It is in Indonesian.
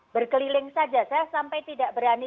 berkeliling saja saya sampai tidak berani